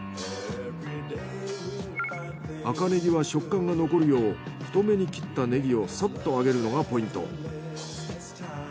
赤ネギは食感が残るよう太めに切ったネギをさっと揚げるのがポイント。